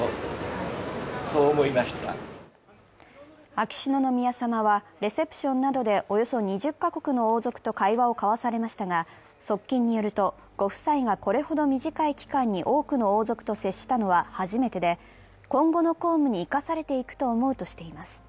秋篠宮さまはレセプションなどでおよそ２０か国の王族と会話を交わされましたが、側近によると、ご夫妻がこれほど短い期間に多くの王族と接したのは初めてで、今後の公務に生かされていくと思うとしています。